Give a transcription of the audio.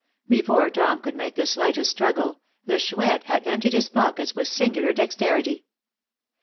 Before Tom could make the slightest struggle, the Chouette had emptied his pockets with singular dexterity.